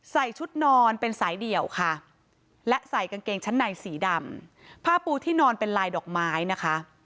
ใส่ชุดนอนเป็นสายเดี่ยวค่ะและใส่กางเกงชั้นในสีดำผ้าปูที่นอนเป็นลายดอกไม้นะคะ